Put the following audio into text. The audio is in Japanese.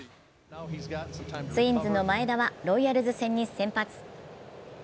ツインズの前田はロイヤルズ戦に先発。